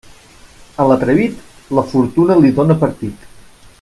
A l'atrevit, la fortuna li dóna partit.